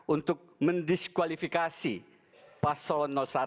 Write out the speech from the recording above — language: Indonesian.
untuk mendiskualifikasi pasol satu